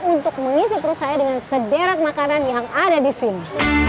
untuk mengisi perut saya dengan sederet makanan yang ada di sini